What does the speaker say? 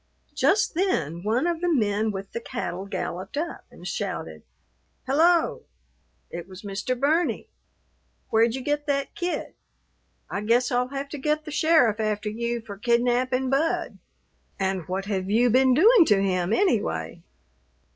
Just then one of the men with the cattle galloped up and shouted, "Hello!" It was Mr. Burney! "Where'd you get that kid? I guess I'll have to get the sheriff after you for kidnapping Bud. And what have you been doing to him, anyway?"